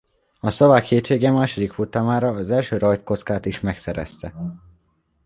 A szlovák hétvége második futamára az első-rajtkockát is megszerezte.